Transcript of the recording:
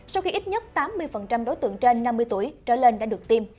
sau khi ít nhất tám mươi đối tượng trên năm mươi tuổi trở lên đã được tiêm